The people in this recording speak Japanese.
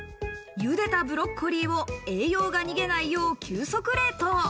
茹でたブロッコリーを栄養が逃げないよう、急速冷凍。